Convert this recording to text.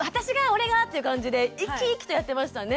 「俺が！」っていう感じで生き生きとやってましたね。